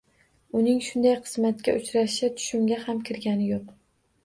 Uning shunday qismatga uchrashi tushimga ham kirgani yo‘q.